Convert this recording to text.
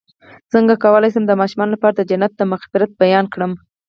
څنګه کولی شم د ماشومانو لپاره د جنت د مغفرت بیان کړم